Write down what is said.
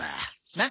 なっ？